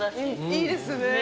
いいですね。